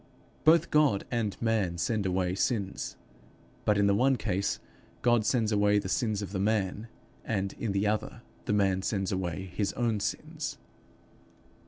Both God and man send away sins, but in the one case God sends away the sins of the man, and in the other the man sends away his own sins.